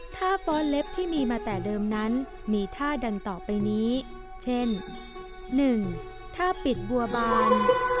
ถ้าฟ้อนเล็บที่มีมาแต่เดิมนั้นมีท่าดังต่อไปนี้เช่น๑ถ้าปิดบัวบาน